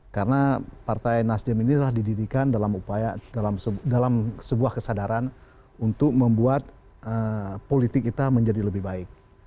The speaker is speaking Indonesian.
karena partai nasional ini telah didirikan dalam upaya dalam sebuah kesadaran untuk membuat politik kita menjadi lebih baik